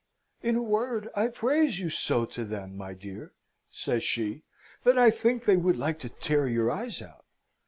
"In a word, I praise you so to them, my dear," says she, "that I think they would like to tear your eyes out."